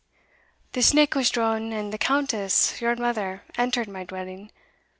The sneck was drawn, and the Countess your mother entered my dwelling.